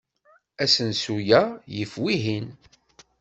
Asensu-a yif wihin.